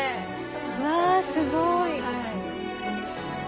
うわすごい！